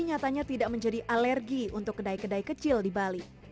nyatanya tidak menjadi alergi untuk kedai kedai kecil di bali